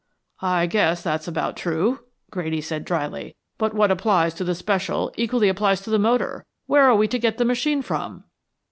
"I guess that's about true," Grady said, drily. "But what applies to the special equally applies to the motor. Where are we to get the machine from?"